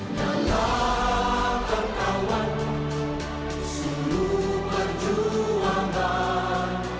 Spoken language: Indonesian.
jalakan kawan seluruh perjuangan